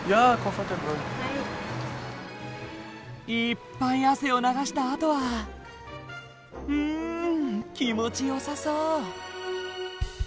いっぱい汗を流したあとはうん気持ちよさそう。